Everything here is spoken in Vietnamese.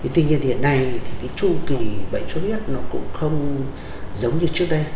thế nhưng hiện nay thì cái chu kỳ bệnh sốt huyết nó cũng không giống như trước đây